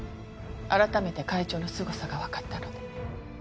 改めて会長のすごさがわかったので。